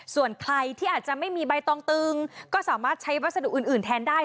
ส่วนใครที่อาจจะไม่มีใบตองตึงก็สามารถใช้วัสดุอื่นแทนได้